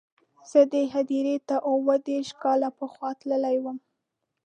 زه دې هدیرې ته اووه دېرش کاله پخوا تللی وم.